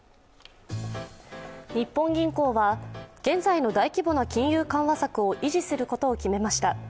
日本銀行は、現在の大規模な金融緩和策を維持することを決めました。